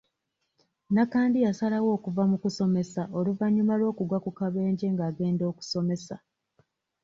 Nakandi yasalawo okuva mu kusomesa oluvannyuma lw'okugwa ku kabenje ng'agenda okusomesa